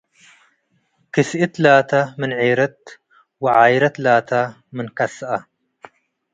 ክስእት ላተ ምን ዔረት ወዓይረት ላተ ምን ከስአ